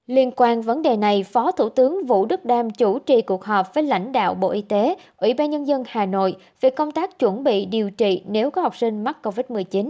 liên quan vấn đề này phó thủ tướng vũ đức đam chủ trì cuộc họp với lãnh đạo bộ y tế ủy ban nhân dân hà nội về công tác chuẩn bị điều trị nếu có học sinh mắc covid một mươi chín